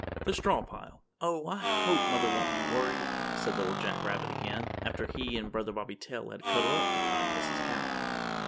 THE STRAW PILE "Oh, I hope mother won't be worried," said Little Jack Rabbit again, after he and Brother Bobby Tail had cuddled up to kind Mrs. Cow.